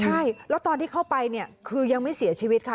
ใช่แล้วตอนที่เข้าไปเนี่ยคือยังไม่เสียชีวิตค่ะ